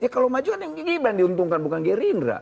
kalau maju kan ghibren yang diuntungkan bukan gerindra